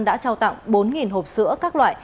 đã trao tặng bốn hộp sữa các loại